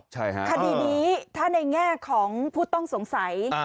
ใช่ค่ะคดีนี้ถ้าในแง่ของผู้ต้องสงสัย